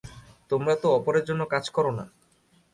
তোমরা তো অপরের জন্য কাজ কর না।